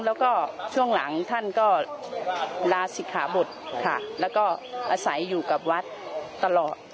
แล้วก็ช่วงหลังท่านก็ลาศิกขาบทค่ะแล้วก็อาศัยอยู่กับวัดตลอด